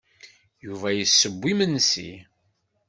Yuba yesseww-d imensi.